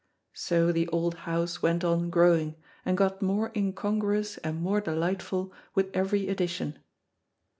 So the old house went on growing, and got more incongruous and more delightful with every addition.